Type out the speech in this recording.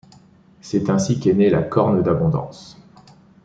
C’est ainsi qu'est née la corne d'abondance.